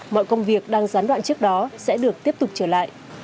mọi công việc đang gián đoạn trước đó sẽ được tiếp tục trở lại